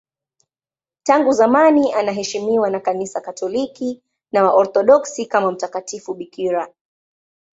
Tangu zamani anaheshimiwa na Kanisa Katoliki na Waorthodoksi kama mtakatifu bikira.